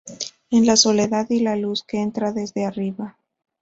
En la soledad y la luz que entra desde arriba.